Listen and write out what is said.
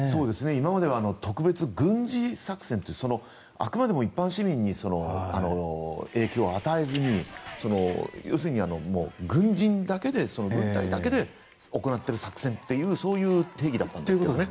今までは特別軍事作戦ってあくまでも一般市民に影響を与えずに要するに軍人だけで、軍隊だけで行っている作戦というそういう定義だったんですね。